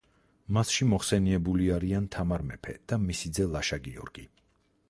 მასში მოხსენიებული არიან თამარ მეფე და მისი ძე ლაშა-გიორგი.